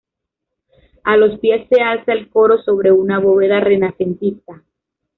A los pies se alza el coro sobre una bóveda renacentista.